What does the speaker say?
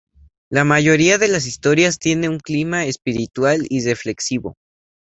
La mayoría de las historias tiene un clima espiritual y reflexivo.